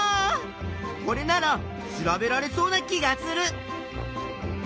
これなら調べられそうな気がする！